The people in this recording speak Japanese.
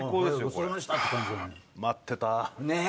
これ待ってたねえ